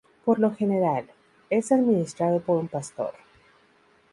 Por lo general, es administrado por un pastor.